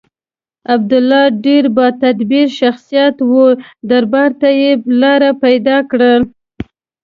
عبدالله ډېر با تدبیره شخصیت و دربار ته یې لاره پیدا کړه.